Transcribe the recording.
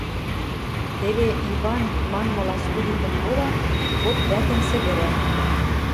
Теве: «Иван», – манмы ласко юкым колам, поп вӓтем сӹгӹрӓ.